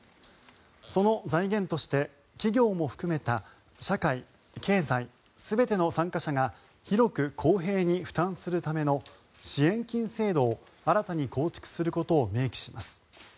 その財源として企業も含めた社会・経済全ての参加者が広く公平に負担するための支援金制度を新たに構築することを明記します。